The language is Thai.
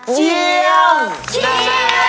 เชียงเชียง